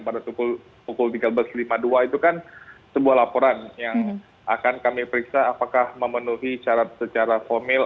pada pukul tiga belas lima puluh dua itu kan sebuah laporan yang akan kami periksa apakah memenuhi syarat secara formil